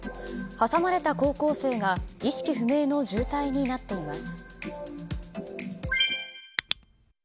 挟まれた高校生が意識不明の重体になっています。